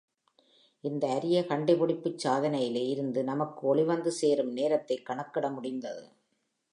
இந்த அரிய கண்டுபிடிப்புச் சாதனையிலே இருந்து நமக்கு ஒளி வந்து சேரும் நேரத்தைக் கணக்கிட முடிந்தது.